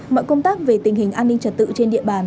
mọi công tác về tình hình an ninh trật tự trên địa bàn